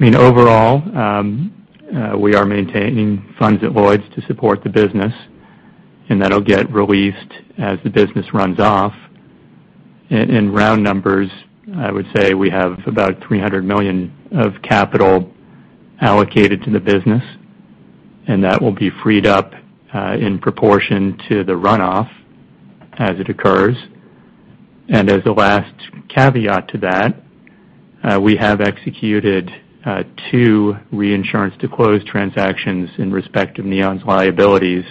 Overall, we are maintaining funds at Lloyd's to support the business, and that'll get released as the business runs off. In round numbers, I would say we have about $300 million of capital allocated to the business, that will be freed up in proportion to the runoff as it occurs. As a last caveat to that, we have executed two reinsurance to close transactions in respect of Neon's liabilities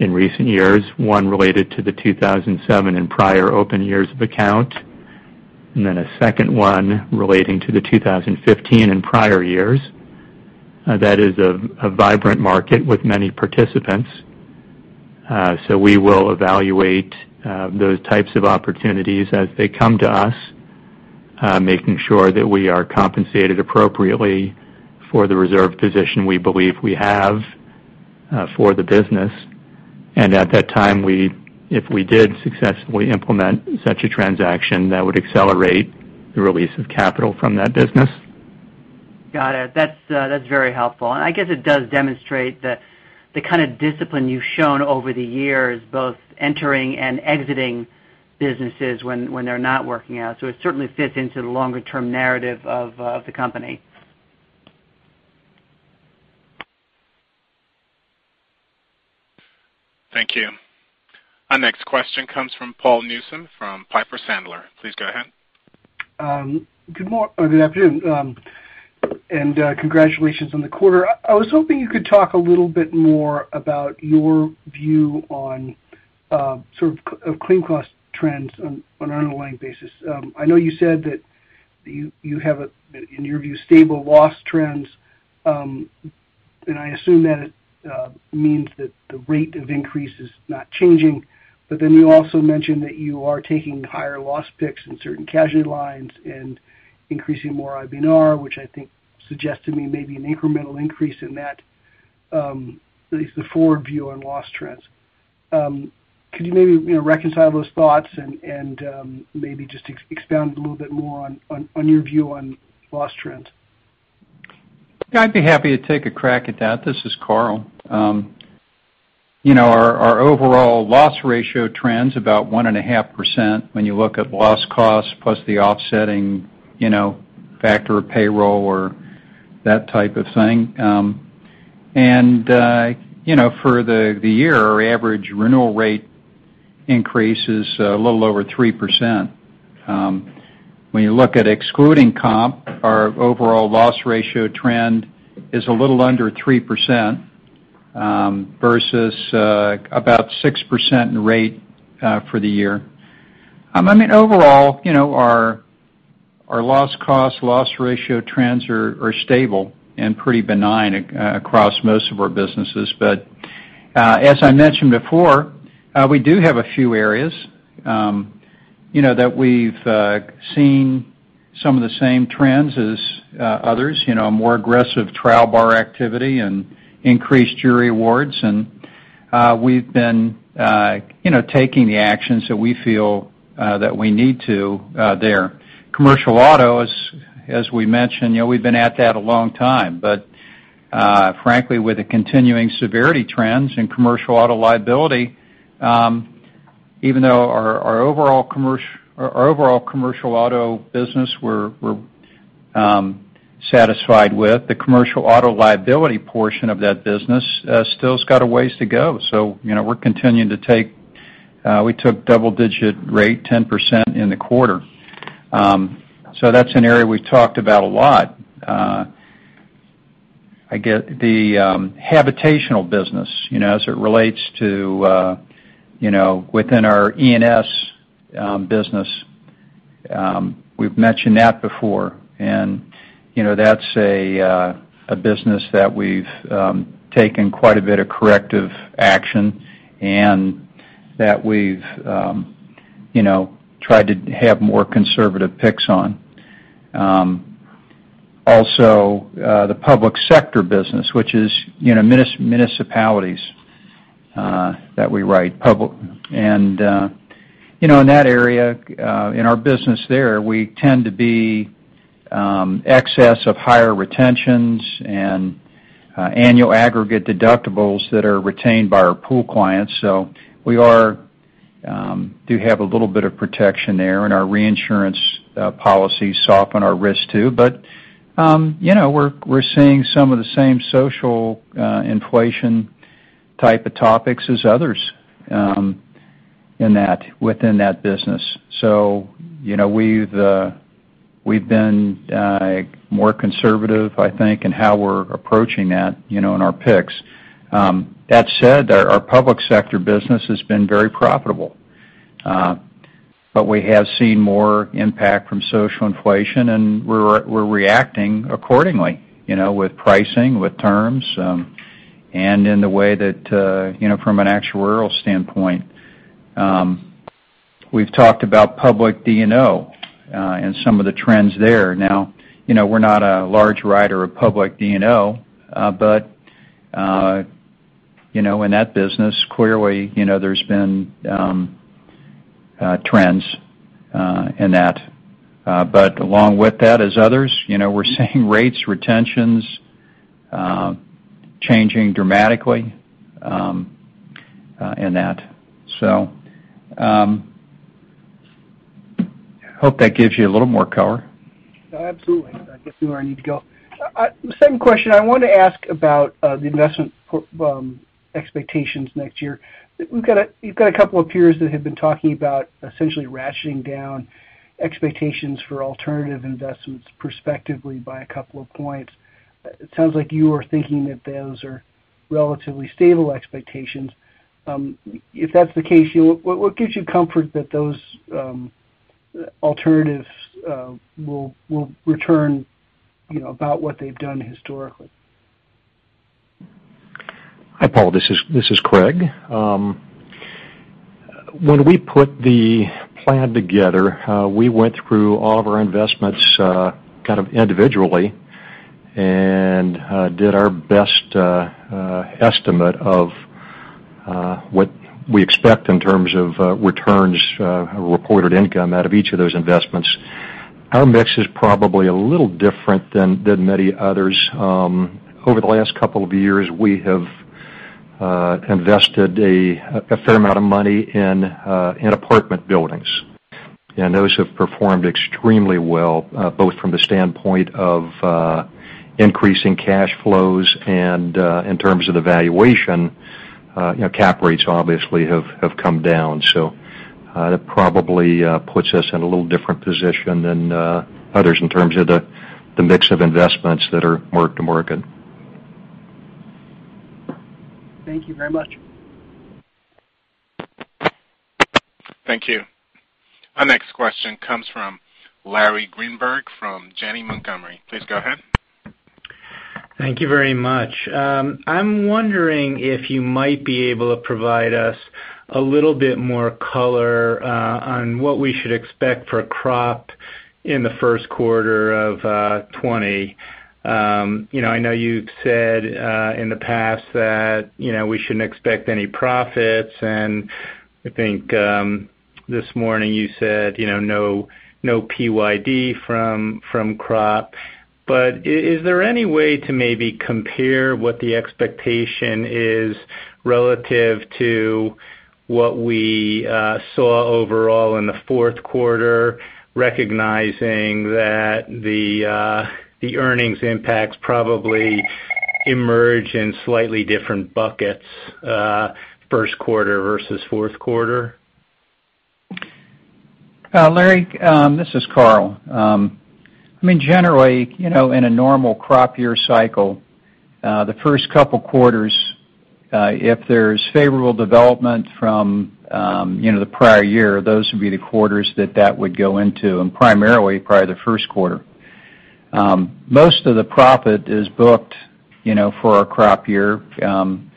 in recent years. One related to the 2007 and prior open years of account, a second one relating to the 2015 and prior years. That is a vibrant market with many participants. We will evaluate those types of opportunities as they come to us, making sure that we are compensated appropriately for the reserve position we believe we have for the business. At that time, if we did successfully implement such a transaction, that would accelerate the release of capital from that business. Got it. That's very helpful. I guess it does demonstrate the kind of discipline you've shown over the years, both entering and exiting businesses when they're not working out. It certainly fits into the longer-term narrative of the company. Thank you. Our next question comes from Paul Newsome from Piper Sandler. Please go ahead. Good afternoon. Congratulations on the quarter. I was hoping you could talk a little bit more about your view on claim cost trends on an underlying basis. I know you said that you have, in your view, stable loss trends, I assume that it means that the rate of increase is not changing. You also mentioned that you are taking higher loss picks in certain casualty lines and increasing more IBNR, which I think suggests to me maybe an incremental increase in that at least the forward view on loss trends. Could you maybe reconcile those thoughts and maybe just expound a little bit more on your view on loss trends? I'd be happy to take a crack at that. This is Carl. Our overall loss ratio trends about 1.5% when you look at loss cost plus the offsetting factor of payroll or that type of thing. For the year, our average renewal rate increase is a little over 3%. When you look at excluding comp, our overall loss ratio trend is a little under 3% versus about 6% in rate for the year. Overall, our loss cost, loss ratio trends are stable and pretty benign across most of our businesses. As I mentioned before, we do have a few areas that we've seen some of the same trends as others, more aggressive trial bar activity and increased jury awards. We've been taking the actions that we feel that we need to there. Commercial auto, as we mentioned, we've been at that a long time. Frankly, with the continuing severity trends in commercial auto liability, even though our overall commercial auto business we're satisfied with, the commercial auto liability portion of that business still has got a ways to go. We took double-digit rate, 10% in the quarter. That's an area we've talked about a lot. The habitational business, as it relates to within our E&S business, we've mentioned that before. That's a business that we've taken quite a bit of corrective action and that we've tried to have more conservative picks on. Also, the public sector business, which is municipalities that we write public. In that area, in our business there, we tend to be excess of higher retentions and annual aggregate deductibles that are retained by our pool clients. We do have a little bit of protection there, and our reinsurance policies soften our risk, too. We're seeing some of the same social inflation type of topics as others within that business. We've been more conservative, I think, in how we're approaching that in our picks. That said, our public sector business has been very profitable. We have seen more impact from social inflation, and we're reacting accordingly, with pricing, with terms, and in the way that from an actuarial standpoint. We've talked about public D&O, and some of the trends there. Now, we're not a large writer of public D&O, in that business, clearly, there's been trends in that. Along with that, as others, we're seeing rates, retentions changing dramatically in that. Hope that gives you a little more color. Absolutely. I guess that's where I need to go. Second question, I want to ask about the investment expectations next year. You've got a couple of peers that have been talking about essentially ratcheting down expectations for alternative investments prospectively by a couple of points. It sounds like you are thinking that those are relatively stable expectations. If that's the case, what gives you comfort that those alternatives will return about what they've done historically? Hi, Paul. This is Craig. When we put the plan together, we went through all of our investments kind of individually, and did our best estimate of what we expect in terms of returns, reported income out of each of those investments. Our mix is probably a little different than many others. Over the last couple of years, we have invested a fair amount of money in apartment buildings, and those have performed extremely well, both from the standpoint of increasing cash flows and in terms of the valuation. Cap rates obviously have come down. That probably puts us in a little different position than others in terms of the mix of investments that are mark-to-market. Thank you very much. Thank you. Our next question comes from Larry Greenberg from Janney Montgomery. Please go ahead. Thank you very much. I'm wondering if you might be able to provide us a little bit more color on what we should expect for crop in the first quarter of 2020. I know you've said in the past that we shouldn't expect any profits, and I think this morning you said no PYD from crop. Is there any way to maybe compare what the expectation is relative to what we saw overall in the fourth quarter, recognizing that the earnings impacts probably emerge in slightly different buckets first quarter versus fourth quarter? Larry, this is Carl. I mean, generally, in a normal crop year cycle, the first couple quarters, if there's favorable development from the prior year, those would be the quarters that that would go into, and primarily, probably the first quarter. Most of the profit is booked for a crop year in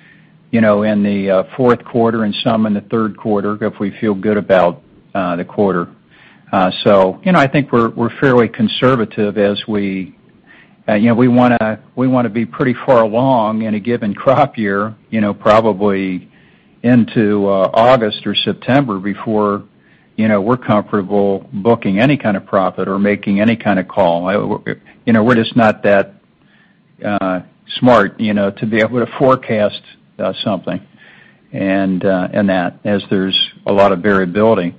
the fourth quarter and some in the third quarter if we feel good about the quarter. I think we're fairly conservative as we want to be pretty far along in a given crop year, probably into August or September before we're comfortable booking any kind of profit or making any kind of call. We're just not that smart to be able to forecast something, and that as there's a lot of variability.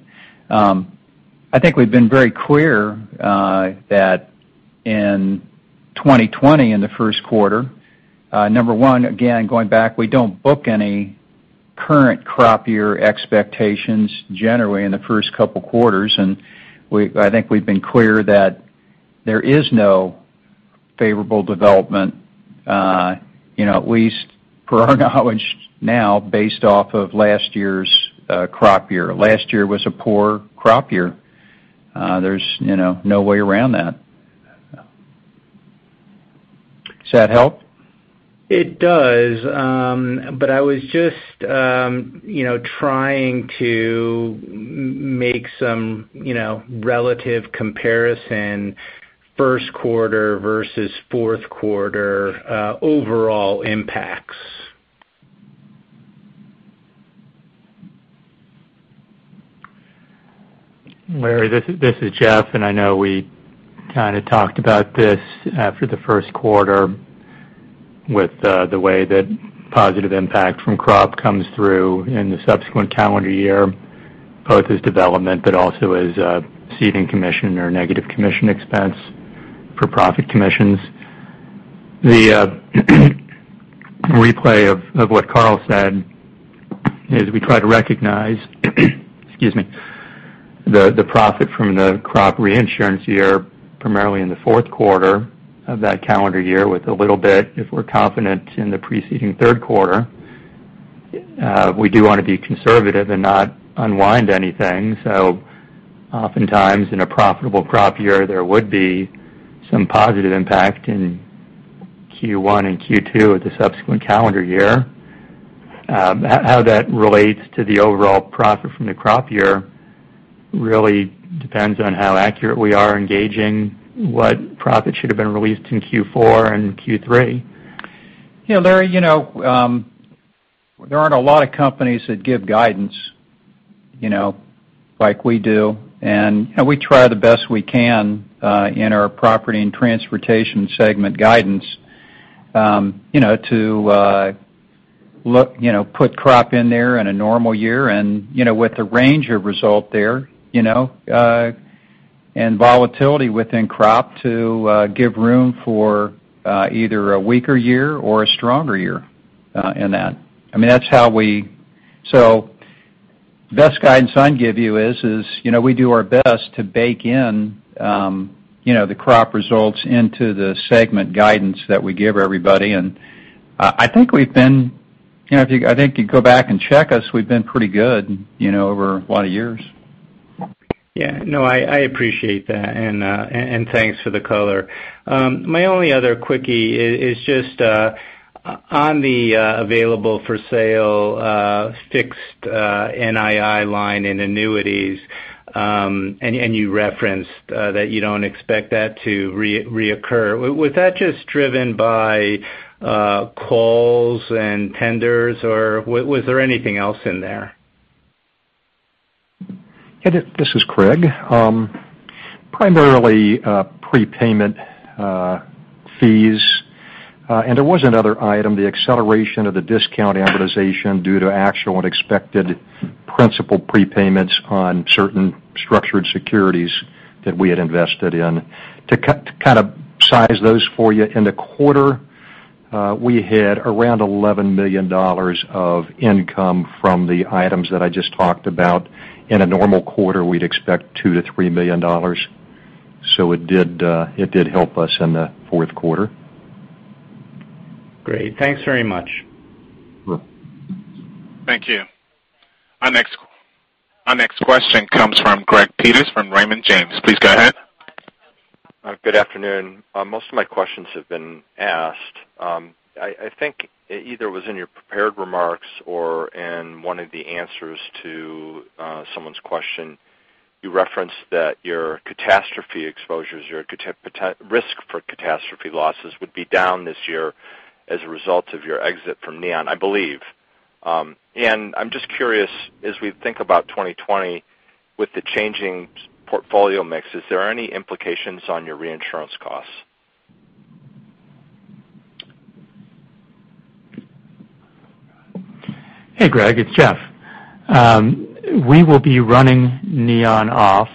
I think we've been very clear that in 2020, in the first quarter, number one, again, going back, we don't book any current crop year expectations generally in the first couple quarters, and I think we've been clear that there is no favorable development, at least for our knowledge now, based off of last year's crop year. Last year was a poor crop year. There's no way around that. Does that help? It does. I was just trying to make some relative comparison first quarter versus fourth quarter overall impacts. Larry, this is Jeff. I know we kind of talked about this after the first quarter with the way that positive impact from crop comes through in the subsequent calendar year, both as development, but also as ceding commission or negative commission expense for profit commissions. The replay of what Carl said is we try to recognize, excuse me, the profit from the crop reinsurance year, primarily in the fourth quarter of that calendar year with a little bit, if we're confident in the preceding third quarter. We do want to be conservative and not unwind anything. Oftentimes in a profitable crop year, there would be some positive impact in Q1 and Q2 of the subsequent calendar year. How that relates to the overall profit from the crop year really depends on how accurate we are in gauging what profit should've been released in Q4 and Q3. Larry, there aren't a lot of companies that give guidance like we do. We try the best we can, in our Property and Transportation segment guidance, to put crop in there in a normal year and with the range of result there, and volatility within crop to give room for either a weaker year or a stronger year in that. Best guidance I can give you is, we do our best to bake in the crop results into the segment guidance that we give everybody. I think if you go back and check us, we've been pretty good over a lot of years. Yeah. No, I appreciate that. Thanks for the color. My only other quickie is just on the available-for-sale fixed NII line and annuities, and you referenced that you don't expect that to reoccur. Was that just driven by calls and tenders, or was there anything else in there? This is Craig. Primarily, prepayment fees. There was another item, the acceleration of the discount amortization due to actual and expected principal prepayments on certain structured securities that we had invested in. To size those for you, in the quarter, we had around $11 million of income from the items that I just talked about. In a normal quarter, we'd expect $2 million-$3 million. It did help us in the fourth quarter. Great. Thanks very much. Sure. Thank you. Our next question comes from Greg Peters from Raymond James. Please go ahead. Good afternoon. Most of my questions have been asked. I think it either was in your prepared remarks or in one of the answers to someone's question, you referenced that your catastrophe exposures, your risk for catastrophe losses would be down this year as a result of your exit from Neon, I believe. I'm just curious, as we think about 2020 with the changing portfolio mix, is there any implications on your reinsurance costs? Hey, Greg, it's Jeff. We will be running Neon off.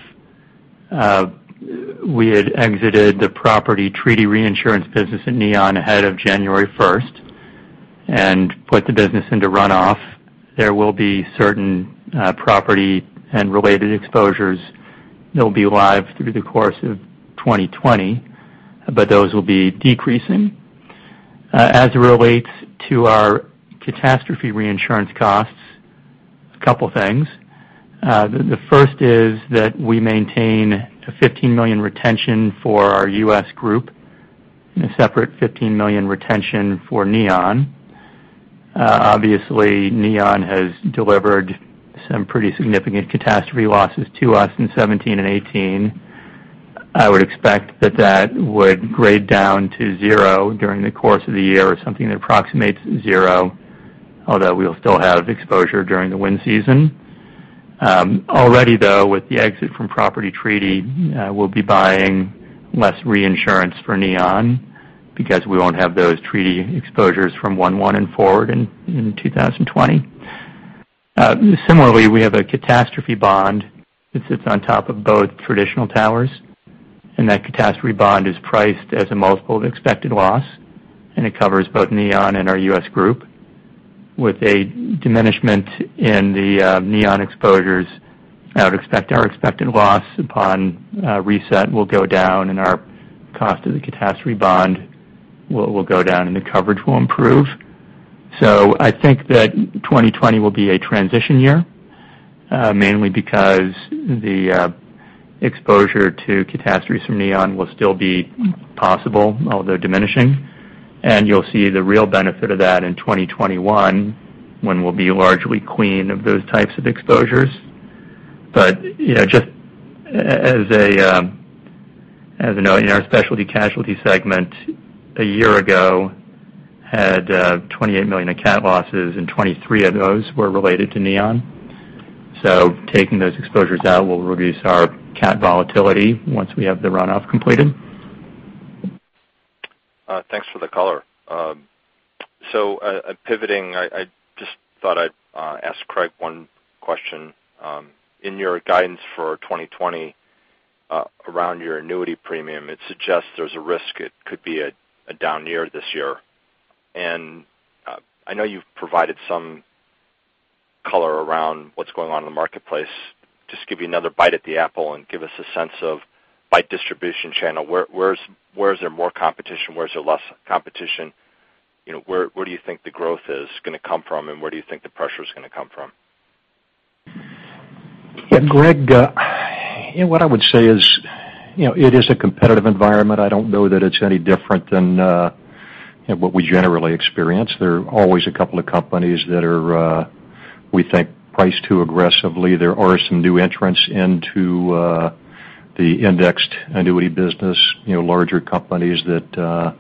We had exited the property treaty reinsurance business in Neon ahead of January 1st and put the business into runoff. There will be certain property and related exposures that'll be live through the course of 2020, but those will be decreasing. As it relates to our catastrophe reinsurance costs, a couple things. The first is that we maintain a $15 million retention for our U.S. group and a separate $15 million retention for Neon. Obviously, Neon has delivered some pretty significant catastrophe losses to us in 2017 and 2018. I would expect that that would grade down to zero during the course of the year or something that approximates zero, although we'll still have exposure during the wind season. Already though, with the exit from property treaty, we'll be buying less reinsurance for Neon because we won't have those treaty exposures from 1/1 and forward in 2020. Similarly, we have a catastrophe bond that sits on top of both traditional towers, and that catastrophe bond is priced as a multiple of expected loss, and it covers both Neon and our U.S. group. With a diminishment in the Neon exposures, I would expect our expected loss upon reset will go down, and our cost of the catastrophe bond will go down, and the coverage will improve. I think that 2020 will be a transition year, mainly because the exposure to catastrophes from Neon will still be possible, although diminishing, and you'll see the real benefit of that in 2021 when we'll be largely clean of those types of exposures. Just as a note, our Specialty Casualty segment a year ago had $28 million of cat losses, and 23 of those were related to Neon. Taking those exposures out will reduce our cat volatility once we have the runoff completed. Thanks for the color. Pivoting, I just thought I'd ask Craig one question. In your guidance for 2020 around your annuity premium, it suggests there's a risk it could be a down year this year. I know you've provided some color around what's going on in the marketplace. Just give you another bite at the apple and give us a sense of, by distribution channel, where is there more competition, where is there less competition? Where do you think the growth is going to come from, and where do you think the pressure is going to come from? Greg, what I would say is, it is a competitive environment. I don't know that it's any different than what we generally experience. There are always a couple of companies that are, we think, priced too aggressively. There are some new entrants into the indexed annuity business, larger companies that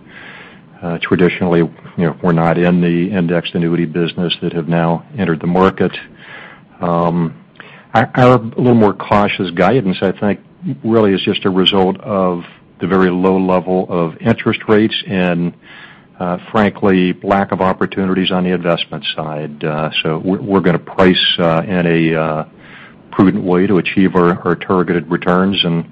traditionally were not in the indexed annuity business that have now entered the market. Our little more cautious guidance, I think, really is just a result of the very low level of interest rates and, frankly, lack of opportunities on the investment side. We're going to price in a prudent way to achieve our targeted returns, and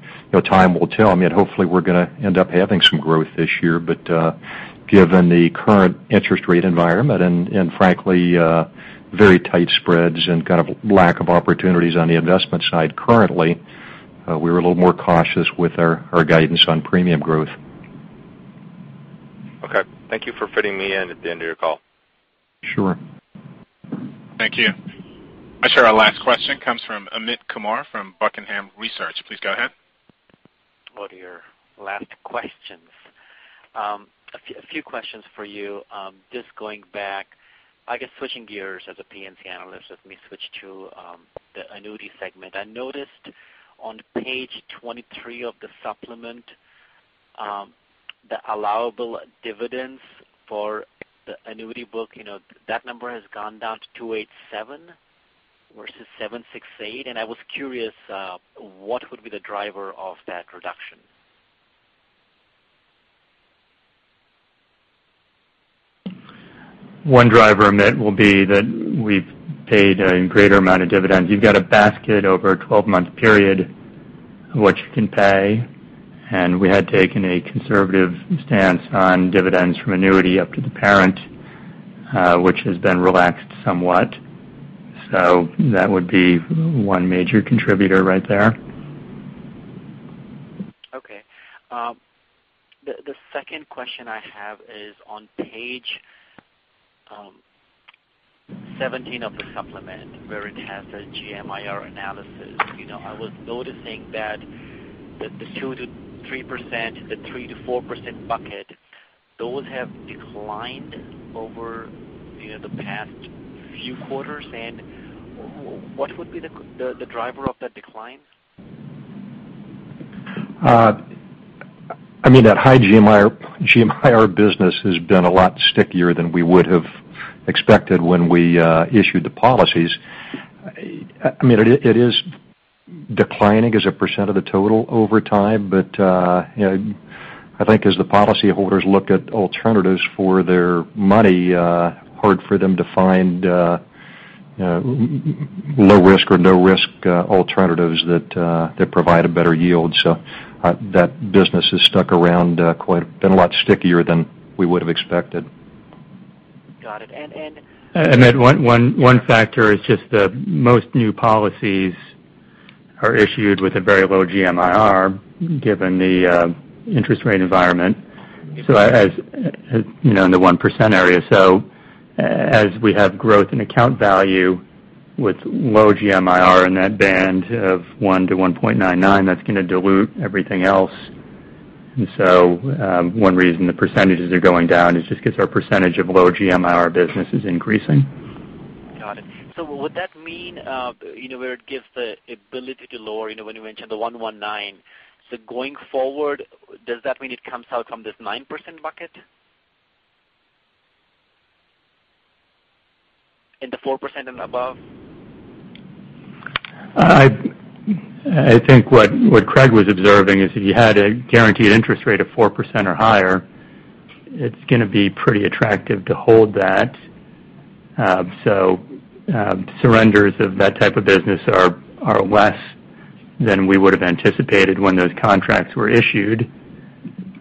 time will tell. I mean, hopefully we're going to end up having some growth this year, given the current interest rate environment and frankly, very tight spreads and kind of lack of opportunities on the investment side currently, we're a little more cautious with our guidance on premium growth. Okay. Thank you for fitting me in at the end of your call. Sure. Thank you. I share our last question comes from Amit Kumar from Buckingham Research. Please go ahead. Go to your last questions. A few questions for you. Just going back, I guess switching gears as a P&C analyst, let me switch to the annuity segment. I noticed on page 23 of the supplement the allowable dividends for the annuity book, that number has gone down to $287 versus $768. I was curious, what would be the driver of that reduction? One driver, Amit, will be that we've paid a greater amount of dividends. You've got a basket over a 12-month period of what you can pay, and we had taken a conservative stance on dividends from annuity up to the parent, which has been relaxed somewhat. That would be one major contributor right there. Okay. The second question I have is on page 17 of the supplement where it has a GMIR analysis. I was noticing that the 2%-3%, the 3%-4% bucket, those have declined over the past few quarters. What would be the driver of that decline? Amit, that high GMIR business has been a lot stickier than we would have expected when we issued the policies. It is declining as a % of the total over time, but I think as the policyholders look at alternatives for their money, hard for them to find low risk or no risk alternatives that provide a better yield. That business has stuck around quite a lot stickier than we would've expected. Got it. Amit, one factor is just that most new policies are issued with a very low GMIR, given the interest rate environment, in the 1% area. As we have growth in account value with low GMIR in that band of 1%-1.99%, that's going to dilute everything else. One reason the percentages are going down is just because our percentage of low GMIR business is increasing. Got it. Would that mean where it gives the ability to lower, when you mentioned the 119, going forward, does that mean it comes out from this 9% bucket? In the 4% and above? I think what Craig was observing is if you had a guaranteed interest rate of 4% or higher, it's going to be pretty attractive to hold that. Surrenders of that type of business are less than we would've anticipated when those contracts were issued.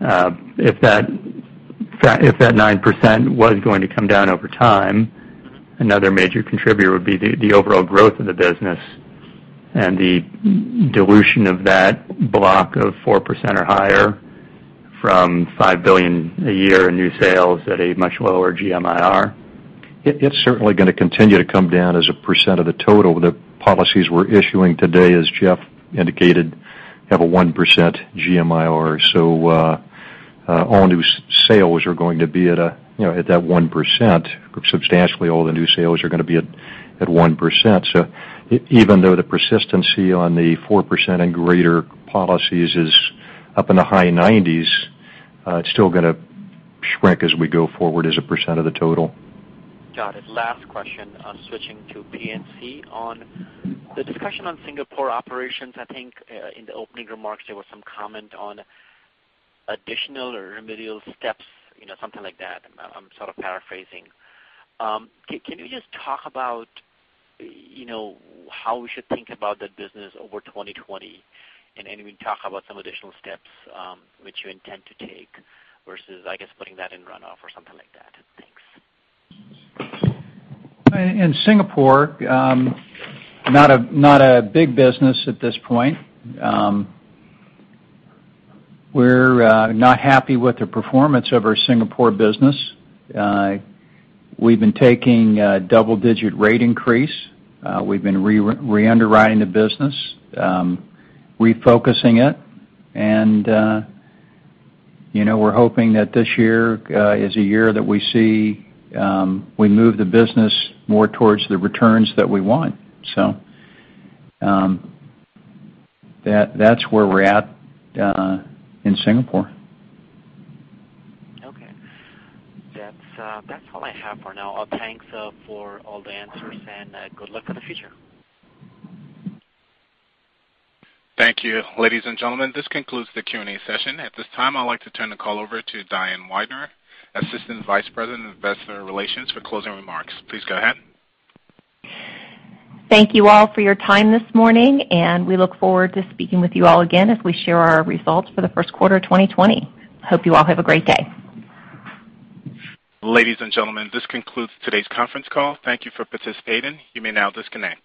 If that 9% was going to come down over time, another major contributor would be the overall growth of the business and the dilution of that block of 4% or higher from $5 billion a year in new sales at a much lower GMIR. It's certainly going to continue to come down as a percent of the total. The policies we're issuing today, as Jeff indicated, have a 1% GMIR. All new sales are going to be at that 1%, substantially all the new sales are going to be at 1%. Even though the persistency on the 4% and greater policies is up in the high 90s, it's still going to shrink as we go forward as a percent of the total. Got it. Last question, switching to P&C on the discussion on Singapore operations, I think, in the opening remarks, there were some comment on additional or remedial steps, something like that. I'm sort of paraphrasing. Can you just talk about how we should think about that business over 2020? Maybe talk about some additional steps, which you intend to take versus, I guess, putting that in runoff or something like that. Thanks. In Singapore, not a big business at this point. We're not happy with the performance of our Singapore business. We've been taking a double-digit rate increase. We've been re-underwriting the business, refocusing it. We're hoping that this year is a year that we see we move the business more towards the returns that we want. That's where we're at in Singapore. Okay. That's all I have for now. Thanks for all the answers, good luck in the future. Thank you. Ladies and gentlemen, this concludes the Q&A session. At this time, I'd like to turn the call over to Diane Weidner, Assistant Vice President of Investor Relations for closing remarks. Please go ahead. Thank you all for your time this morning. We look forward to speaking with you all again as we share our results for the first quarter of 2020. Hope you all have a great day. Ladies and gentlemen, this concludes today's conference call. Thank you for participating. You may now disconnect.